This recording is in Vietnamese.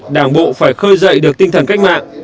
đảng bộ phải khơi dậy được tinh thần cách mạng